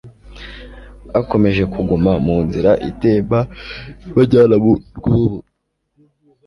bakomeje kuguma mu nzira itemba ibajyana mu rwobo